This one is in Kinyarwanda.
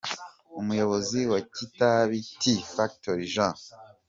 Umuyobozi wa Kitabi Tea Factory, Jean H.